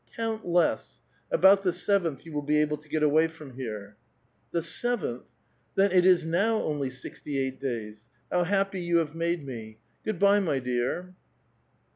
* Count less ; about the seventh you will be able to get *^^y from here." •^^'The seventh? Then it is now only sixty eight da^'S. ^^ happy you have made me ! Good by, m}' dear."